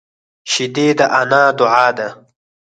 شیدې د انا دعا ده